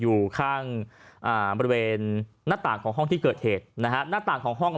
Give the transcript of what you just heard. อยู่ข้างอ่าบริเวณหน้าต่างของห้องที่เกิดเหตุนะฮะหน้าต่างของห้อง